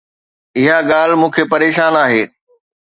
اها ڳالهه مون کي پريشان آهي.